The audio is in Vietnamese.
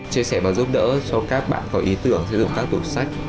chia sẻ và giúp đỡ cho các bạn có ý tưởng xây dựng các tủ sách